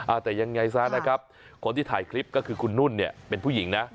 แต่ยังไงซะนะครับคนที่ถ่ายคลิปก็คือคุณนุ่นเนี่ยเป็นผู้หญิงนะ